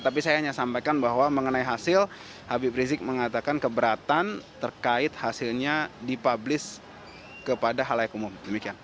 tapi saya hanya sampaikan bahwa mengenai hasil habib rizik mengatakan keberatan terkait hasilnya dipublish kepada hal hal yang umum